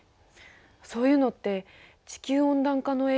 そういうのって地球温暖化の影響なのかな？